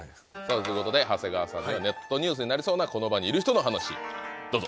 ということで長谷川さんには「ネットニュースになりそうなこの場にいる人のハナシ」どうぞ。